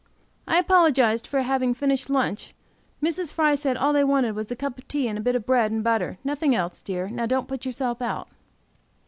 I apologized for having finished lunch. Mrs. Fry said all they wanted was a cup of tea and a bit of bread and butter, nothing else, dear; now don't put yourself out.